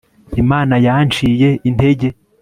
imana yanciye intege